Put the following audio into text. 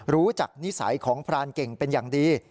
รู้จักนิสัยของพรานเก่งเป็นอย่างดี